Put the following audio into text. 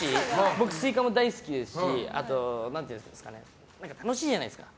僕、スイカも大好きですしあと、楽しいじゃないですか。